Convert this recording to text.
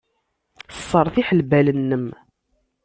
Sseṛtiḥ lbal-nnem.